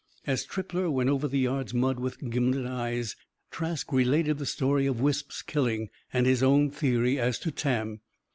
As Trippler went over the yard's mud with gimlet eyes, Trask related the story of Wisp's killing; and his own theory as to Tam.